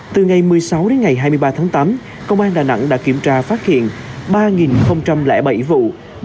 từ ngày một mươi sáu đến ngày hai mươi ba tháng tám công an đà nẵng đã kiểm tra phát hiện ba bảy vụ